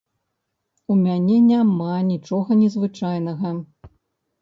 У мяне няма нічога незвычайнага.